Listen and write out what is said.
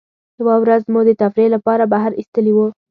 یوه ورځ مو د تفریح له پاره بهر ایستلي وو.